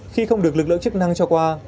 khi không được lực lượng chức năng cho qua